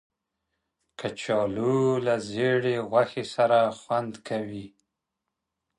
کچالو له زېړې غوښې سره خوند کوي